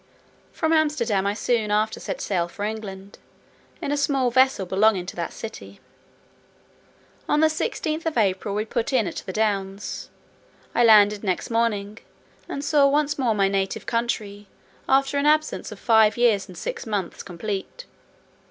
From Amsterdam I soon after set sail for England, in a small vessel belonging to that city. On the 16th of April, 1710, we put in at the Downs. I landed next morning, and saw once more my native country, after an absence of five years and six months complete.